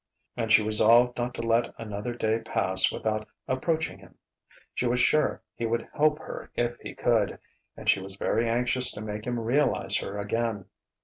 And she resolved not to let another day pass without approaching him. She was sure he would help her if he could; and she was very anxious to make him realize her again.